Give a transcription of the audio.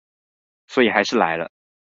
所以還是來了